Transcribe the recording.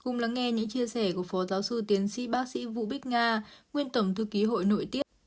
cùng lắng nghe những chia sẻ của phó giáo sư tiến sĩ bác sĩ vũ bích nga nguyên tổng thư ký hội nội tiết